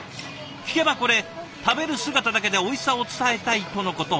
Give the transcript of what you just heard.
聞けばこれ食べる姿だけでおいしさを伝えたいとのこと。